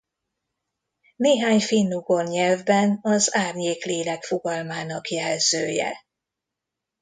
Néhány finnugor nyelvben az árnyék-lélek fogalmának jelzője.